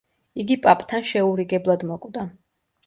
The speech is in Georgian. იგი პაპთან შეურიგებლად მოკვდა.